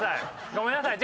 ごめんなさい。